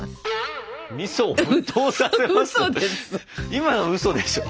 今のウソでしょ？